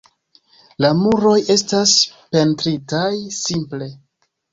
La muroj estas pentritaj simple.